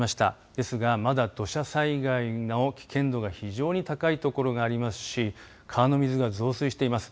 ですがまだ土砂災害の危険度が非常に高いところがありますし川の水が増水しています。